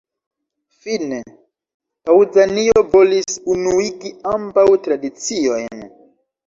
Fine, Paŭzanio volis unuigi ambaŭ tradiciojn.